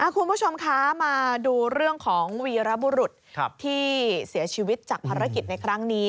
คุณผู้ชมคะมาดูเรื่องของวีรบุรุษที่เสียชีวิตจากภารกิจในครั้งนี้